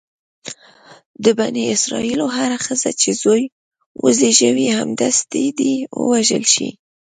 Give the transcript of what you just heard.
د بني اسرایلو هره ښځه چې زوی وزېږوي سمدستي دې ووژل شي.